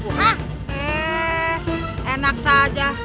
eh enak saja